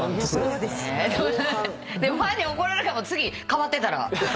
ファンに怒られるかも次かわってたら。